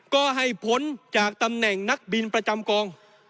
ก็ให้ผลจากตำแหน่งนักบินประจำกอง